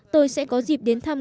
tôi sẽ có dịp đến thăm